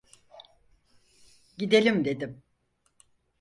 Gidelim dedim.